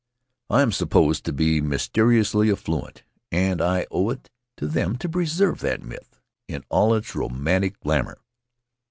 I am supposed to be mysteriously affluent, and I owe it to them to preserve that myth in all its romantic glamour."